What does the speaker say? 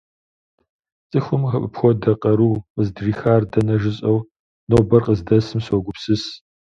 ЦӀыхум апхуэдэ къару къыздрихар дэнэ жысӀэу, нобэр къыздэсым согупсыс.